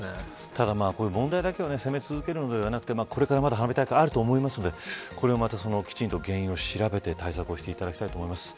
ただこういう問題だけを攻め続けるのではなくてこれからまた花火大会あると思うのできちんと原因を調べて対策していただきたいと思います。